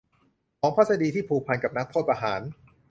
ของพัศดีที่ผูกพันกับนักโทษประหาร